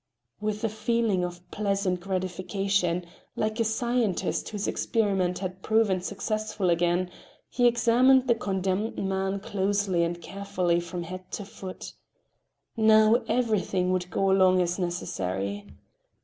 With a feeling of pleasant gratification, like a scientist whose experiment had proved successful again, he examined the condemned man closely and carefully from head to foot. Now everything would go along as necessary.